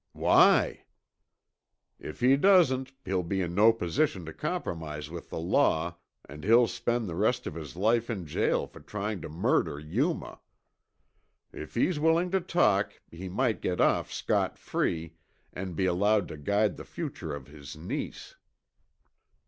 "Why?" "If he doesn't, he'll be in no position to compromise with the law and he'll spend the rest of his life in jail for trying to murder Yuma. If he's willing to talk, he might get off scot free and be allowed to guide the future of his niece."